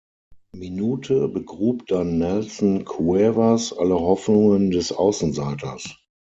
Minute begrub dann Nelson Cuevas alle Hoffnungen des Außenseiters.